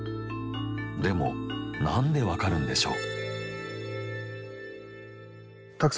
でも何で分かるんでしょう？